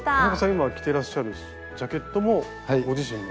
今着てらっしゃるジャケットもご自身の？